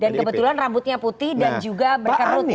dan kebetulan rambutnya putih dan juga berkerut ya wajahnya